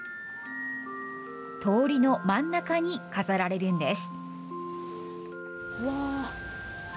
通りの真ん中に飾られるんです。